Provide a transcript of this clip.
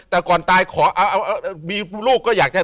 แต่ก่อนตายขอเอามีลูกก็อยากจะ